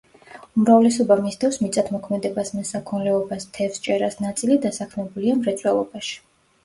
უმრავლესობა მისდევს მიწათმოქმედებას, მესაქონლეობას, თევზჭერას, ნაწილი დასაქმებულია მრეწველობაში.